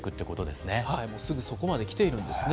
すぐそこまで来てるんですね。